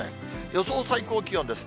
予想最高気温です。